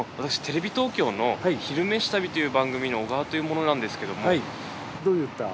私テレビ東京の「昼めし旅」という番組の小川という者なんですけども。